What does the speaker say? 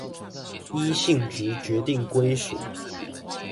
依性質決定歸屬